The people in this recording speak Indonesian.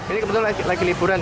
ini kebetulan lagi liburan